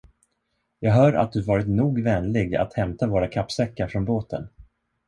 Jag hör att du varit nog vänlig att hämta våra kappsäckar från båten.